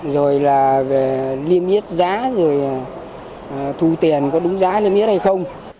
rồi là về limit giá rồi là thu tiền có đúng giá limit hay không